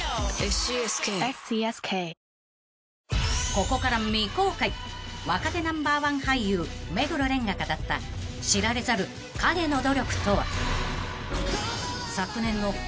［ここから未公開若手Ｎｏ．１俳優目黒蓮が語った知られざる陰の努力とは］